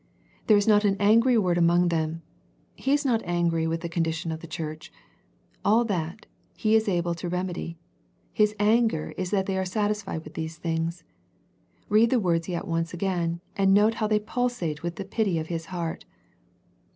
There is not an angry word among them. He is not angry with the con dition of the church. All that. He is able to remedy. His anger is that they are satisfied with these things. Read the words yet once again, and note how they pulsate with the pity of His heart.